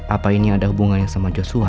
apa ini ada hubungannya sama joshua